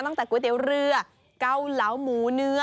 ตั้งแต่ก๋วยเตี๋ยวเรือเกาเหลาหมูเนื้อ